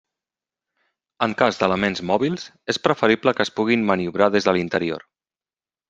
En cas d'elements mòbils és preferible que es puguin maniobrar des de l'interior.